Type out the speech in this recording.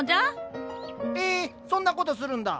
えっそんなことするんだ。